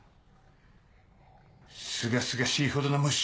すがすがしいほどの無視。